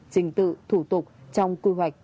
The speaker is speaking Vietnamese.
trình tự thủ tục trong quy hoạch